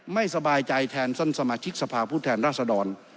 ไม่สบายใจแทนท่านสมาชิกสภาพผู้แทนราษดร